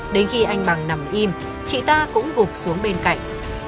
đến khi anh bằng nằm im chị ta cũng gục xuống bên cạnh